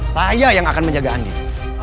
saya yang akan menjaga andil